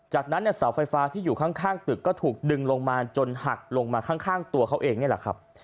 จากนั้นเนี่ยเสาไฟฟ้าที่อยู่ข้างตึกก็ถูกดึงลงมาจนหักลงมาข้างตัวเขาเองนี่แหละครับ